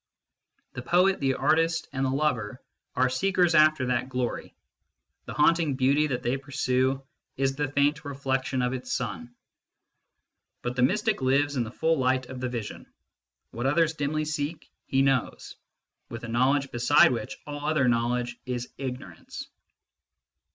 The poet, the artist, and the lover are seekers after that glory : the haunting beauty that they pursue is the faint reflection of its sun. But the mystic lives in the full light of the vision : what others dimly seek he knows, with a knowledge beside which all other knowledge is ignorance.